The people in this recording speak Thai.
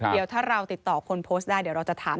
เดี๋ยวถ้าเราติดต่อคนโพสต์ได้เดี๋ยวเราจะถาม